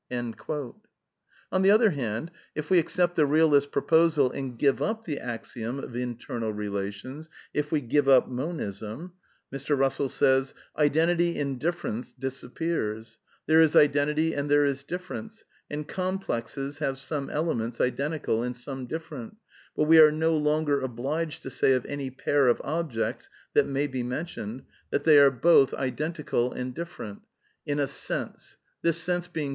(Ibid. p. 168.) On the other hand, if we accept the realist's proposal and give up the axiom of internal relations (if we give up Monism), "'Identity in difference' disappears: there is identity and there is difference, and complexes have some elements identical and some different, but we are no longer obliged to say of any pair of objects that may be mentioned that tiiey are both identi 200 A DEFENCE OF IDEALISM cal and different — ^'in a wesoae! this sense beini?